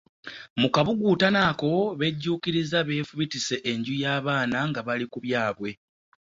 Mu kabuguutano ako bejjuukiriza beefubitise enju y’abaana nga bali ku byabwe.